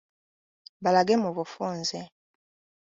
Balage mu bufunze.